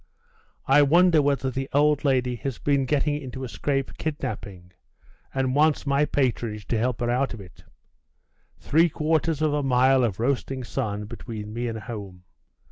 I wonder whether the old lady has been getting into a scrape kidnapping, and wants my patronage to help her out of it.... Three quarters of a mile of roasting sun between me and home!....